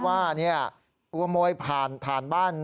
ว่าวันม้วยทานบ้าน